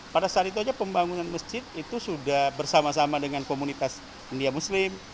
pada saat itu aja pembangunan masjid itu sudah bersama sama dengan komunitas india muslim